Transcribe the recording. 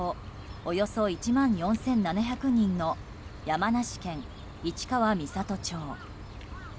およそ１万４７００人の山梨県市川三郷町。